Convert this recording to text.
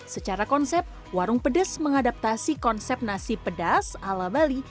secara konsep warung pedes mengadaptasi konsep nasi pedas ala bali